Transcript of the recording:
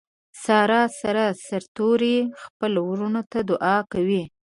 ساره سر سرتوروي خپلو ورڼو ته دعاکوي.